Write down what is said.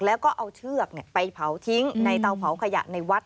แล้วก็เอาเชือกไปเผาทิ้งในเตาเผาขยะในวัด